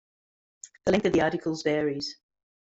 The length of the articles varies.